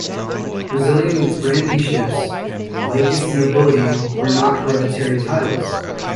Brazilian grandeeships, like its nobility, were not hereditary titles.